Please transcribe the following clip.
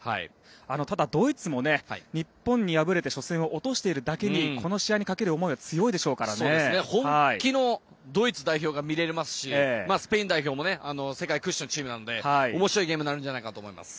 ただ、ドイツも日本に敗れて初戦を落としているだけにこの試合にかける思いは本気のドイツ代表が見れますしスペイン代表も世界屈指のチームなので面白いゲームになるんじゃないかと思います。